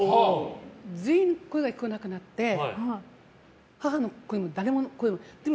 全員の声が聞こえなくなって母の声も誰の声も。